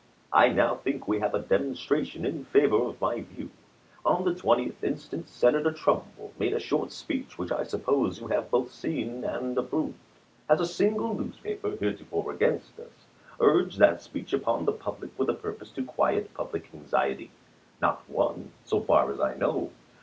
I now think we have a demonstration in favor of my view. On the 20th instant Senator Trumbull made a short speech, which I suppose you have both seen and approved. Has QUESTIONS AND ANSWERS 283 a single newspaper, heretofore against us, urged that ch. xviii. speech upon its readers with a purpose to quiet public anxiety ? Not one, so far as I know.